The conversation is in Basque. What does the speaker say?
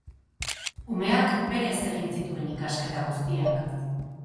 Umeak berez egin zituen ikasketa guztiak.